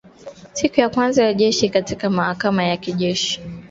Siku ya kwanza ya kesi katika mahakama ya kijeshi